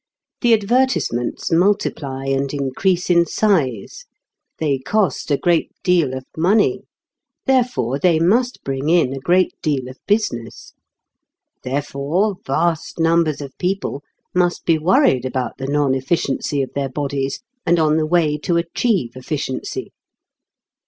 The advertisements multiply and increase in size. They cost a great deal of money. Therefore they must bring in a great deal of business. Therefore vast numbers of people must be worried about the non efficiency of their bodies, and on the way to achieve efficiency.